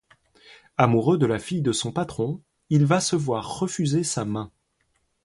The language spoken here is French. Amoureux de la fille de son patron, il va se voir refuser sa main.